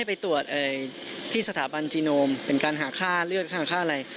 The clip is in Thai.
ไปตรวจที่สถาบันจีโนมเป็นการหาค่าเลือดค่าอะไร